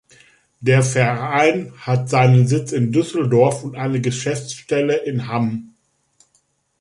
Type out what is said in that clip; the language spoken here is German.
Der Verein hat seinen Sitz in Düsseldorf und eine Geschäftsstelle in Hamm.